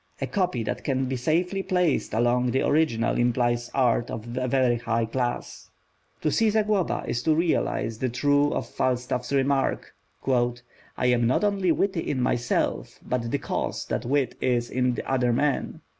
A copy that can safely be placed alongside the original implies art of a very high class. To see Zagloba is to realise the truth of Falstaff's remark, "I am not only witty in myself, but the cause that wit is in other men."